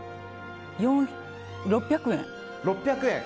６００円。